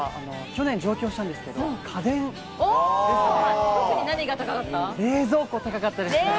去年上京したんですけど、家電ですね。